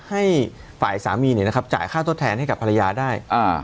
ให้ฝ่ายสามีจ่ายค่าโทษแทนลีกภรรยาได้